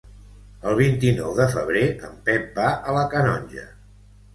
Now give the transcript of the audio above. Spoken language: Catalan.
El vint-i-nou de febrer en Pep va a la Canonja.